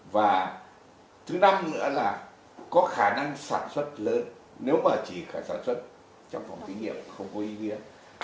và thứ năm nữa là có khả năng sản xuất lớn nếu mà chỉ có sản xuất trong phòng thí nghiệm không có ý kiến